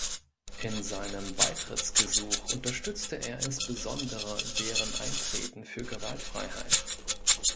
In seinem Beitrittsgesuch unterstützte er insbesondere deren Eintreten für Gewaltfreiheit.